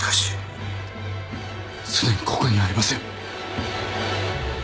すでにここにはありません。